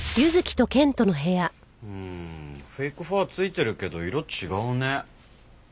うんフェイクファー付いてるけど色違うね。